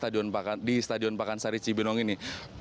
di stadion pakansari cibinong ini